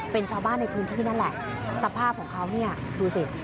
เป็นชาวบ้านในพื้นที่นั่นแหละสภาพของเขาเนี่ยดูสิ